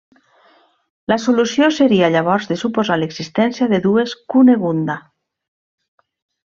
La solució seria llavors de suposar l'existència de dues Cunegunda.